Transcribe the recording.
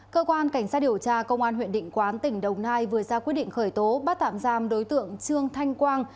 cơ quan cảnh sát điều tra công an huyện định quán tỉnh đồng nai vừa ra quyết định khởi tố bắt tạm giam đối tượng trương thanh quang